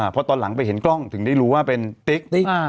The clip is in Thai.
พอตอนหลังไปเห็นกล้องถึงได้รู้ว่าเป็นติ๊กติ๊ก